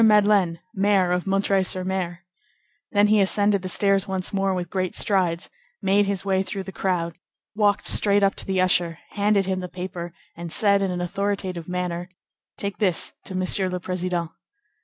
Madeleine, Mayor of M. sur M._; then he ascended the stairs once more with great strides, made his way through the crowd, walked straight up to the usher, handed him the paper, and said in an authoritative manner:— "Take this to Monsieur le Président."